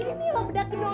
sini nih mau bedakin dong